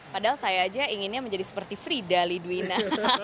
padahal saya aja inginnya menjadi seperti frida lidwina